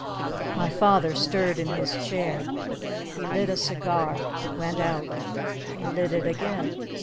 My father stirred in his chair. He lit a cigar. It went out. He lit it again.